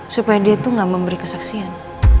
supaya dia itu gak memberi kesaksian